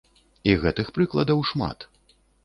І гэтых прыкладаў шмат.